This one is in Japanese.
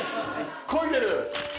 こいでる。